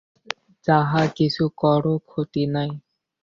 যাহা কিছু কর, ক্ষতি নাই।